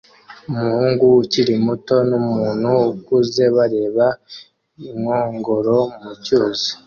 Umuhungu ukiri muto numuntu ukuze bareba inkongoro mucyuzi